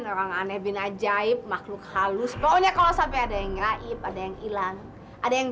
orang aneh bin ajaib makhluk halus pokoknya kalau sampai ada yang raib ada yang ilan ada yang